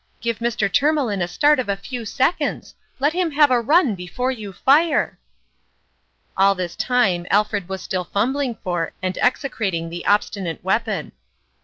Give Mr. Tourmalin a start of a few seconds let him have a run before you fire !" All this time Alfred was still fumbling for and execrating the obstinate weapon.